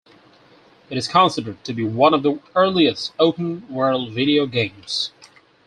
It is considered to be one of the earliest open world video games.